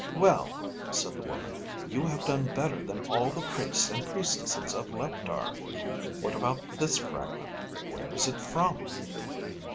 _" "Well," said the woman. "You have done better than all the priests and priestesses of Leptar. What about this fragment? Where is it from?"